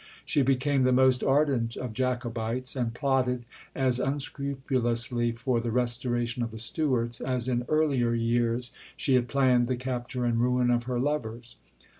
She became the most ardent of Jacobites, and plotted as unscrupulously for the restoration of the Stuarts, as in earlier years she had planned the capture and ruin of her lovers.